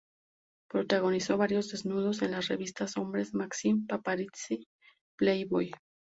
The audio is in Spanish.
Protagonizó varios desnudos en las revistas Hombre, Maxim, Paparazzi y Playboy.